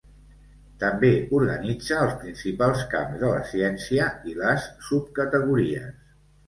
També organitza els principals camps de la ciència i les subcategories.